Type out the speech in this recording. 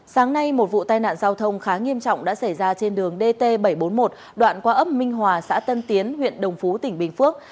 sáng nay một vụ tai nạn giao thông khá nghiêm trọng đã xảy ra trên đường dt bảy trăm bốn mươi một đoạn qua ấp minh hòa xã tân tiến huyện đồng phú tỉnh bình phước